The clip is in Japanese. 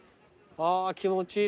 あぁー気持ちいい。